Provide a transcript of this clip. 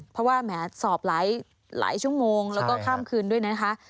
เพราะว่าแหมสอบหลายชั่วโมงแล้วก็ข้ามคืนด้วยนะคะ